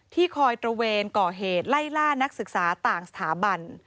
คอยตระเวนก่อเหตุไล่ล่านักศึกษาต่างสถาบัน